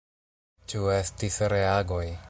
Ĉu estis reagoj?